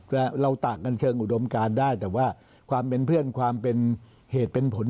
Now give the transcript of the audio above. เราต่างกันเชิงอุดมการได้แต่ว่าความเป็นเพื่อนความเป็นเหตุเป็นผล